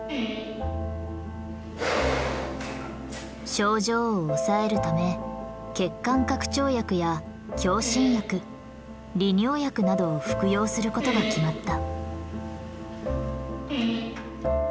症状を抑えるため血管拡張薬や強心薬利尿薬などを服用することが決まった。